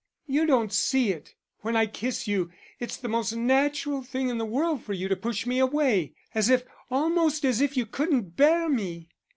"You don't see it.... When I kiss you, it is the most natural thing in the world for you to push me away, as if almost as if you couldn't bear me."